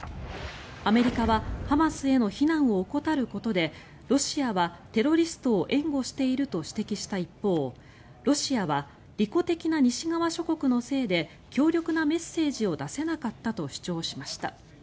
アメリカはハマスへの非難を怠ることでロシアはテロリストを援護していると指摘した一方ロシアは利己的な西側諸国のせいで強力なメッセージを出せなかったと主張しました。